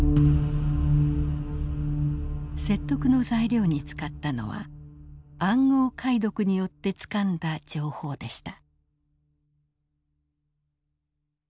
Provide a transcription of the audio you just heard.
説得の材料に使ったのは暗号解読によってつかんだ情報でした。